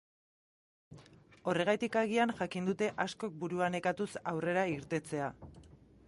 Horregatik agian jakin dute askok burua nekatuz aurrera irtetzea.